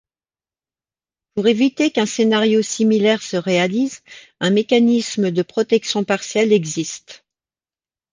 Pour éviter qu’un scénario similaire se réalise, un mécanisme de protection partielle existe.